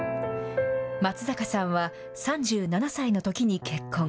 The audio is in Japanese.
松坂さんは、３７歳のときに結婚。